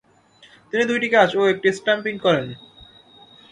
তিনি দুইটি ক্যাচ ও একটি স্ট্যাম্পিং করেন।